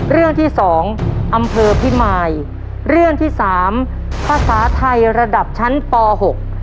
เรื่องที่สองอำเภอพิมายเรื่องที่สามภาษาไทยระดับชั้นปหก